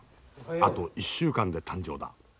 あと１週間で誕生だ。